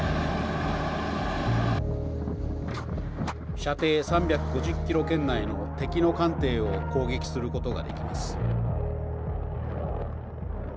射程３５０キロ圏内の敵の艦艇を攻撃することができます。